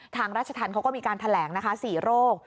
ทางราชทันเขาก็มีการแถลงนะคะ๔โรค